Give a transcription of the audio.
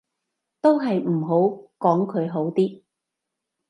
都係唔好講佢好啲